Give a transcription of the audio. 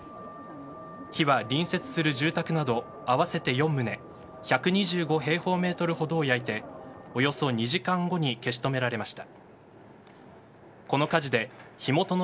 火は隣接する住宅など合わせて４棟１２５平方メートルほどを焼いておよそ２時間後に消し止められました。